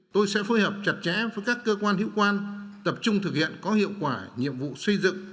tôi sẽ phối hợp chặt chẽ với các cơ quan hữu quan tập trung thực hiện có hiệu quả nhiệm vụ xây dựng